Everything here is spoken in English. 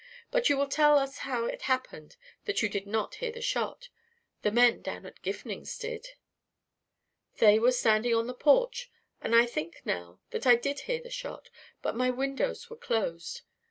"But will you tell us how it happened that you did not hear the shot? The men down at Gifning's did." "They were standing on the porch, and I think now that I did hear the shot. But my windows were closed.